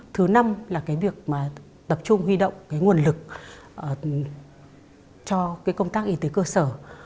thứ năm là cái việc mà tập trung huy động cái nguồn lực cho cái công tác y tế cơ sở